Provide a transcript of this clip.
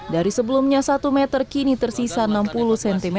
dari sebelumnya satu meter kini tersisa enam puluh cm